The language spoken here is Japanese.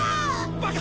バカ！